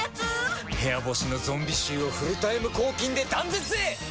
部屋干しのゾンビ臭をフルタイム抗菌で断絶へ！